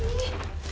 wah manis ini